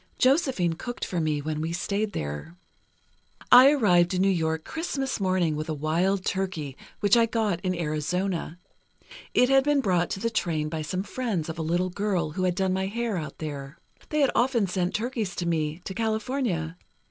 Josephine cooked for me when we stayed there. "I arrived in New York Christmas morning, with a wild turkey, which I got in Arizona. It had been brought to the train by some friends of a little girl who had done my hair out there. They had often sent turkeys to me, to California.